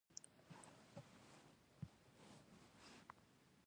یورانیم د افغانستان طبعي ثروت دی.